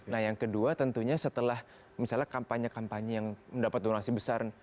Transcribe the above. nah yang kedua tentunya setelah misalnya kampanye kampanye yang mendapat donasi besar